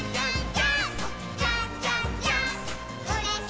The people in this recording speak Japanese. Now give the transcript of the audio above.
ジャンプ！！